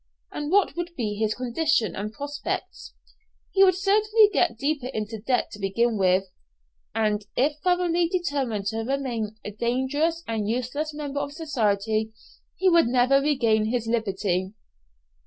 And what would be his condition and prospects? He would certainly get deeper into debt to begin with, and if thoroughly determined to remain a dangerous and useless member of society he would never regain his liberty.